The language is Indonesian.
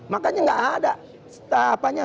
makanya gak ada